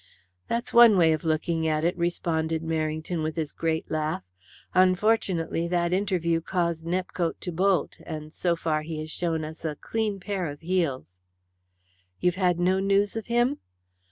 "That's one way of looking at it," responded Merrington with his great laugh. "Unfortunately, that interview caused Nepcote to bolt, and so far he has shown us a clean pair of heels." "You've had no news of him?"